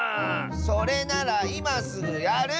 それならいますぐやる！